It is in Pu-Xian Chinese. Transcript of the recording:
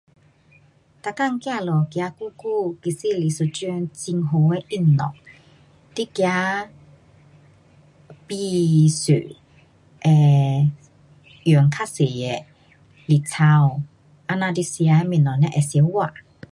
每天走路走久久其实是一种很好的运动。你走比坐会用较多的力操。这样你吃的东西才会消化。